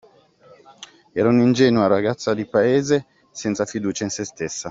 Era un'ingenua ragazza di paese senza fiducia in se stessa.